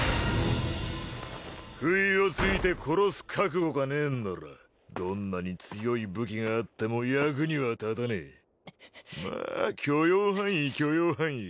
不意をついて殺す覚悟がねえんならどんなに強い武器があっても役には立たねえまあ許容範囲許容範囲